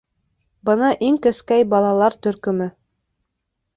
Бына иң кескәй балалар төркөмө.